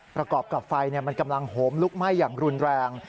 ประกอบกับไฟมันกำลังโหมลุกไหม้อย่างรุนแรง